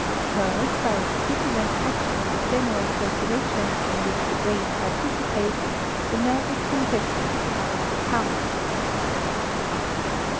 _ Because, by its stimulant action on the general circulation, in which the brain participates, the nervous congestions are overcome.